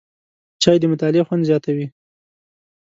چای د مطالعې خوند زیاتوي